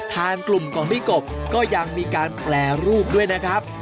ทางกลุ่มของพี่กบก็ยังมีการแปรรูปด้วยนะครับ